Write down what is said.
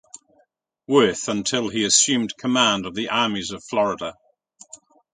Worth until he assumed command of the armies of Florida.